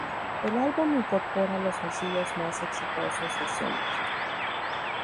El álbum incorpora los sencillos más exitosos de Summer.